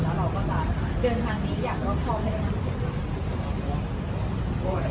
แล้วเราก็จะเดินทางนี้อยากรับพร้อมให้ด้วยนะครับ